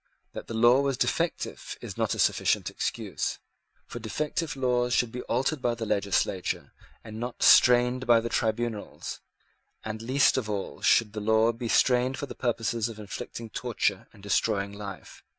That the law was defective is not a sufficient excuse: for defective laws should be altered by the legislature, and not strained by the tribunals; and least of all should the law be strained for the purpose of inflicting torture and destroying life.